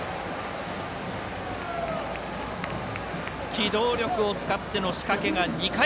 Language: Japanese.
機動力を使っての仕掛けが２回。